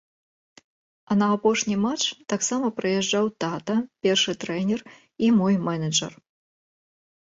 А на апошні матч таксама прыязджаў тата, першы трэнер і мой менеджэр.